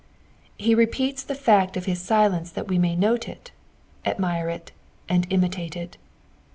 lie repeals the fact of his silence tli at we may note it, admire it, and imitate it.